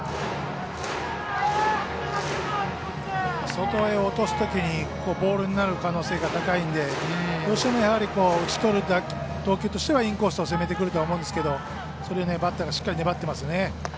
外へ落とすときにボールになる可能性が高いのでどうしても打ち取る投球としてはインコースを攻めてくると思うんですがそれにしっかりバッターが粘ってますね。